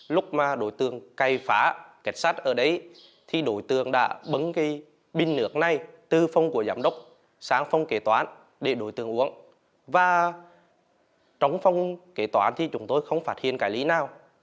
lúc mà đối tượng cây phá kết sắt ở đấy thì đối tượng đã bấm cái binh nước này từ phòng của giám đốc sang phòng kế toán để đối tượng uống và trong phòng kế toán thì chúng tôi không phát hiện cái lý nào